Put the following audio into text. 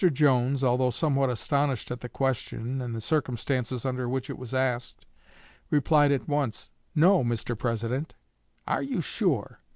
Jones, although somewhat astonished at the question and the circumstances under which it was asked, replied at once, 'No, Mr. President.' 'Are you sure?'